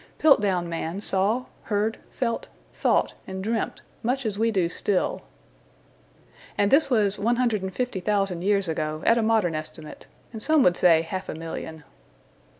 Piltdown man saw, heard, felt, thought, and dreamt much as we do still. And this was 150,000 years ago at a modern estimate, and some would say half a million.